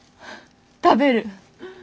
食べる。